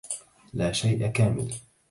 لا شَيءَ كاملٌ.